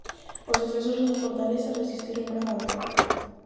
Os defensores da fortaleza resistiron bravamente.